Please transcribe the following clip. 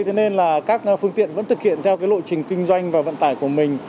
thế nên là các phương tiện vẫn thực hiện theo lộ trình kinh doanh và vận tải của mình